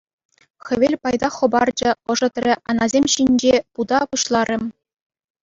Хӗвел пайтах хӑпарчӗ, ӑшӑтрӗ, анасем ҫинче пута пуҫларӗ.